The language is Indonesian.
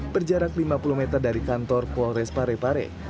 berjarak lima puluh meter dari kantor polres parepare